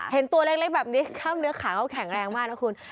เห็นตัวเล็กแบบนี้กล้ามเนื้อขาเขาแข็งแรงมากนะคุณ